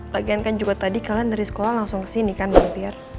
lagian kan juga tadi kalian dari sekolah langsung kesini kan bang biar